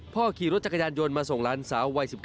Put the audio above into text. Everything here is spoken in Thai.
ขี่รถจักรยานยนต์มาส่งหลานสาววัย๑๙